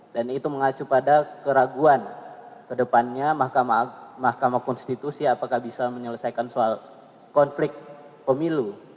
dan itu mengacu pada keraguan kedepannya mahkamah konstitusi apakah bisa menyelesaikan soal konflik pemilu